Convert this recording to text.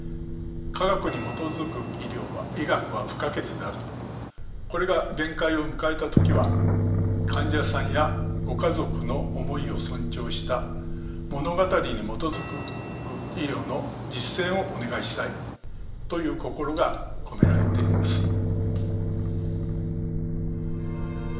「科学に基づく医学」は不可欠だがこれが限界を迎えた時は患者さんやご家族の思いを尊重した「物語に基づく医療」の実践をお願いしたいという心が込められています。